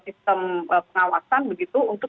sistem pengawasan begitu untuk